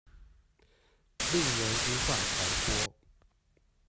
令人無法逃脫